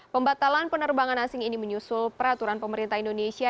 pembatalan penerbangan asing ini menyusul peraturan pemerintah indonesia